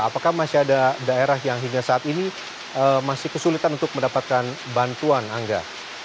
apakah masih ada daerah yang hingga saat ini masih kesulitan untuk mendapatkan bantuan angga